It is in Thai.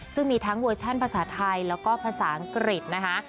ซึ่งมีทั้งเวอร์ชั่นภาษาไทยแล้วก็ภาษาอังกฤษนะคะ